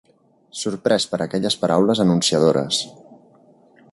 Sorprès per aquelles paraules anunciadores